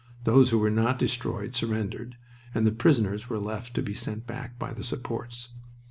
Those who were not destroyed surrendered, and the prisoners were left to be sent back by the supports.